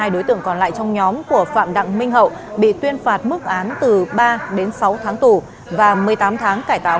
ba mươi hai đối tượng còn lại trong nhóm của phạm đăng minh hậu bị tuyên phạt mức án từ ba đến sáu tháng tù và một mươi tám tháng cải tạo không giải